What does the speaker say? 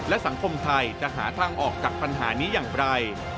และสังคมไทยจะหาทางออกจากปัญหานี้อย่างไร